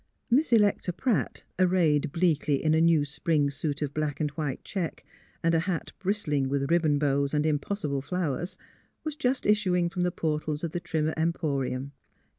Miss Electa Pratt, arrayed bleakly in a new spring suit of black and white check and a hat bristling with ribbon bows and impossible flow ers, was just issuing from the portals of the Trimmer Emporium.